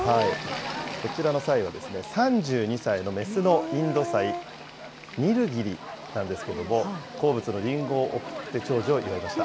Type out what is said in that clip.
こちらのサイは３２歳の雌のインドサイ、ニルギリなんですけれども、好物のリンゴを贈って長寿を祝いました。